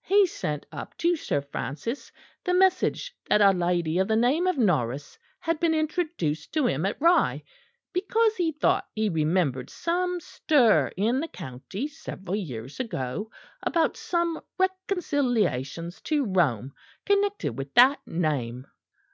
He sent up to Sir Francis the message that a lady of the name of Norris had been introduced to him at Rye; because he thought he remembered some stir in the county several years ago about some reconciliations to Rome connected with that name.